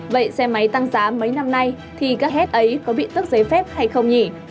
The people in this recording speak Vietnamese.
vậy xe máy tăng giá mấy năm nay thì các hez ấy có bị tức giấy phép hay không nhỉ